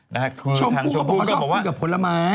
ชมพูก็บอกว่าเขาชอบคุยกับผลไม้